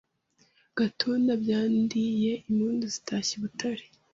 Gatunda byadindiyeImpundu zitashye i Butahwa